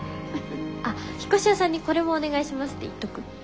あっ引っ越し屋さんにこれもお願いしますって言っとく。